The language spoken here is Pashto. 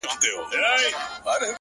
ولي مي هره شېبه هر ساعت پر اور کړوې؛